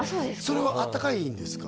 それはあったかいんですか？